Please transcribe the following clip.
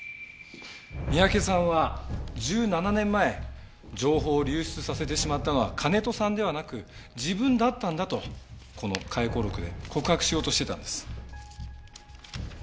三宅さんは１７年前情報を流出させてしまったのは金戸さんではなく自分だったんだとこの回顧録で告白しようとしてたんです。